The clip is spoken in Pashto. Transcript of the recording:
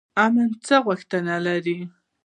امن څه غوښتنه لري؟